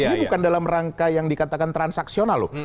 ini bukan dalam rangka yang dikatakan transaksional loh